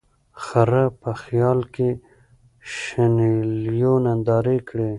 خره په خیال کی د شنېلیو نندارې کړې